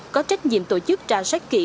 có trách nhiệm tổ chức trả sát kỹ